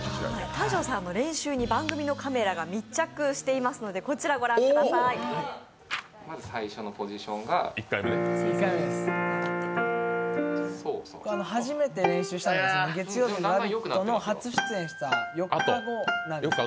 大昇さんの練習に番組のカメラが密着していますので、まず最初のポジションが初めて練習したのが月曜日の「ラヴィット！」に初出演した４日後なんです。